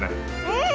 うん！